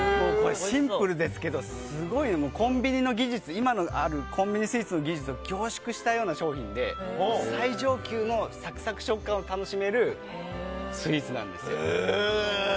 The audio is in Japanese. シンプルですけど今あるコンビニスイーツの技術を凝縮したような商品で最上級のサクサク食感を楽しめるスイーツなんです。